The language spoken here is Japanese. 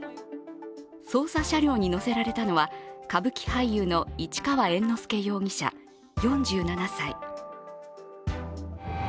捜査車両に乗せられたのは歌舞伎俳優の市川猿之助容疑者４７歳。